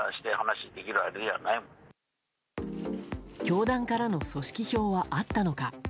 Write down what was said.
教団からの組織票はあったのか。